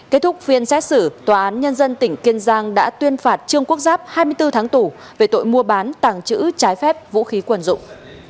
kết thúc phiên xét xử tòa án nhân dân tỉnh kiên giang đã tuyên phạt trương quốc giáp hai mươi bốn tháng tù về tội mua bán tàng trữ trái phép vũ khí quần dụng